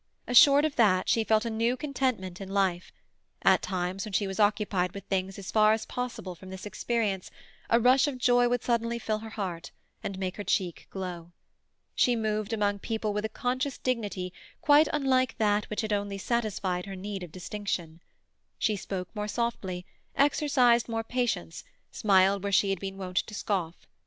Assured of that, she felt a new contentment in life; at times when she was occupied with things as far as possible from this experience, a rush of joy would suddenly fill her heart, and make her cheek glow. She moved among people with a conscious dignity quite unlike that which had only satisfied her need of distinction. She spoke more softly, exercised more patience, smiled where she had been wont to scoff.